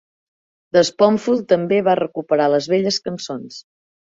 The Spoonful també va recuperar les velles cançons.